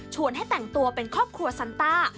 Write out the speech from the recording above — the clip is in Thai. ให้แต่งตัวเป็นครอบครัวซันต้า